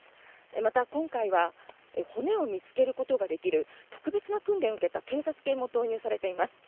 また今回は骨を見つけることができる特別な訓練を受けた警察犬も投入されています。